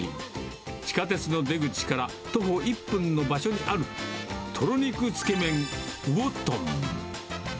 地下鉄の出口から徒歩１分の場所にある、とろ肉つけ麺魚とん。